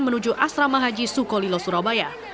menuju asrama haji sukolilo surabaya